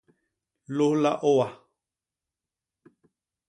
Lôlha ôa.